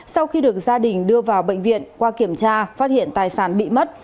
sau khi được gia đình đưa vào bệnh viện qua kiểm tra phát hiện tài sản bị mất